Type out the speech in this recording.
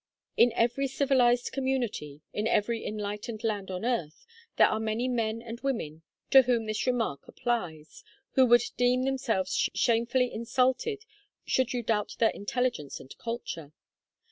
In every civilised community, in every enlightened land on earth, there are many men and women to whom this remark applies, who would deem themselves shamefully insulted should you doubt their intelligence and culture.